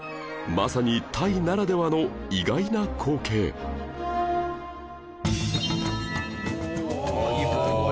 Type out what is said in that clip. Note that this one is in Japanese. まさにタイならではの意外な光景おおーっ。